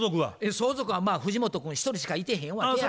相続は藤本君一人しかいてへんわけや。